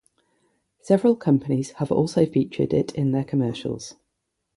Several companies have also featured it in their commercials.